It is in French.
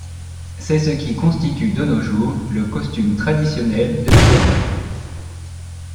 C’est ce qui constitue de nos jours le costume traditionnel de Puebla.